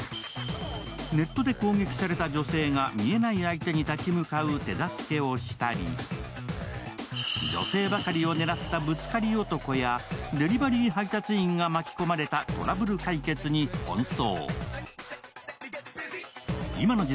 ネットで攻撃された女性が見えない相手に立ち向かう手助けをしたり女性ばかりを狙ったぶつかり男やデリバリー配達員が巻き込まれたトラブル解決に奔走。